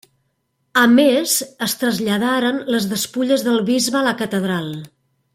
A més, es traslladaren les despulles del bisbe a la catedral.